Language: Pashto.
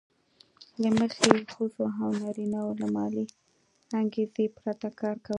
له مخې یې ښځو او نارینه وو له مالي انګېزې پرته کار کاوه